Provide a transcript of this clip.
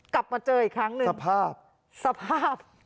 กลับมาเจออีกครั้งหนึ่งสภาพสภาพ